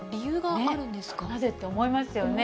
なぜって思いますよね。